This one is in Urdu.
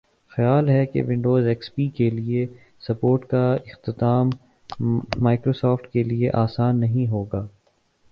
خیال ہے کہ ونڈوز ایکس پی کے لئے سپورٹ کااختتام مائیکروسافٹ کے لئے آسان نہیں ہوگا